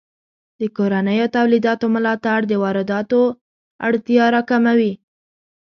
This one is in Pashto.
د کورنیو تولیداتو ملاتړ د وارداتو اړتیا راکموي.